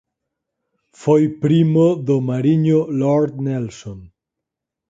Foi primo do mariño Lord Nelson.